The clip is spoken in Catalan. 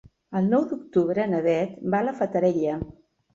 El nou d'octubre na Bet va a la Fatarella.